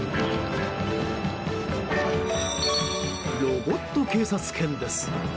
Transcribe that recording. ロボット警察犬です。